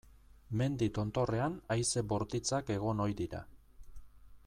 Mendi tontorrean haize bortitzak egon ohi dira.